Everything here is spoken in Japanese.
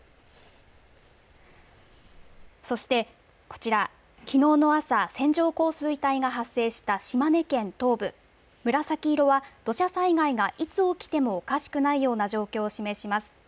そして、こちら、きのうの朝、線状降水帯が発生した島根県東部、紫色は、土砂災害がいつ起きてもおかしくない状況を示します。